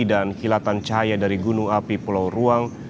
dan kilatan cahaya dari gunung api pulau ruang